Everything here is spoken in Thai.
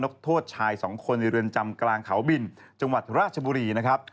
โทษชายสองคนในเรือนจำกลางเขาบินจังหวัดราชบุรีนะครับ